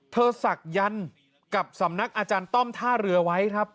ศักดิ์กับสำนักอาจารย์ต้อมท่าเรือไว้ครับ